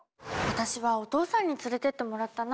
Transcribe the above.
私はお父さんに連れてってもらったな。